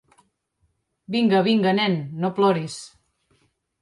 Vinga, vinga, nen, no ploris.